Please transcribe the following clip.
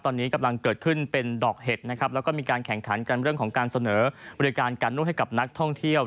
ตอนนี้กำลังเกิดขึ้นเป็นดอกเห็ดนะครับแล้วก็มีการแข่งขันกันเรื่องของการเสนอบริการการนวดให้กับนักท่องเที่ยว